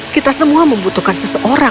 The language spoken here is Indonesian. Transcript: kita semua membutuhkan seseorang